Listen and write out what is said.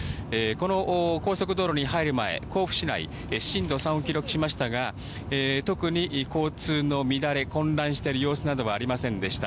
この高速道路に入る前、甲府市内、震度３を記録しましたが、特に交通の乱れ、混乱している様子などはありませんでした。